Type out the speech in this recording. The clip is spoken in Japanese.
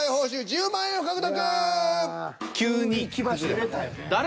１０万円を獲得！